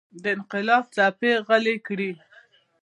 د انقلاب څپې غلې کړي.